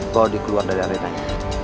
bawa dia keluar dari aretanya